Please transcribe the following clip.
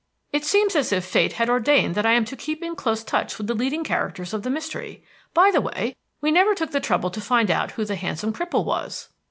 "It seems as if Fate had ordained that I am to keep in close touch with the leading characters of the mystery. By the way, we never took the trouble to find out who the handsome cripple was."